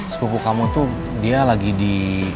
sepupu kamu tuh dia lagi di